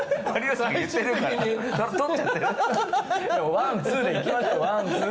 ワンツーでいきましょう。